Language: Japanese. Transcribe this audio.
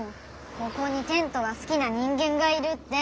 ここにテントが好きな人間がいるって。